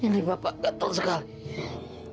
ini bapak gatel sekali